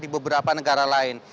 di beberapa negara lain